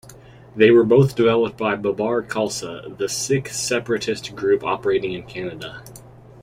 They were both developed by Babbar Khalsa, the Sikh separatist group operating in Canada.